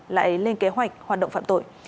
lại lên kế hoạch hoạt động phạm tội